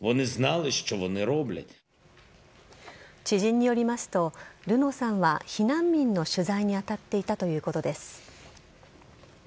知人によりますと、ルノーさんは避難民の取材に当たっていたということです。